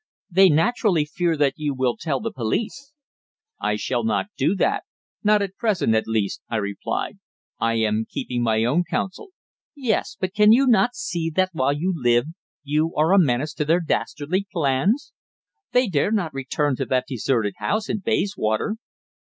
"They naturally fear that you will tell the police." "I shall not do that not at present, at least," I replied. "I am keeping my own counsel." "Yes. But cannot you see that while you live you are a menace to their dastardly plans? They dare not return to that deserted house in Bayswater."